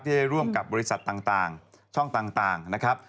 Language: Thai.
ได้ร่วมกับบริษัทต่างช่องต่างนะครับ